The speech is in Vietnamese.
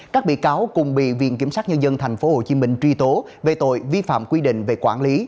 các bị cáo cùng bị viện kiểm sát nhân dân tp hcm truy tố về tội vi phạm quy định về quản lý